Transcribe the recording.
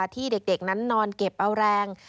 ที่เด็กนั้นนอนเก็บเอาแรง